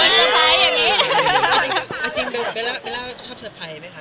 อาจิงเบลล่าชอบสไพยไหมคะ